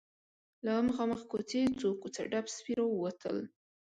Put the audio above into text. له مخامخ کوڅې څو کوڅه ډب سپي راووتل.